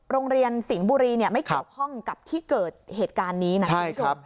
โรงเรียนสิงห์บุรีไม่เกี่ยวข้องกับที่เกิดเหตุการณ์นี้นะครับ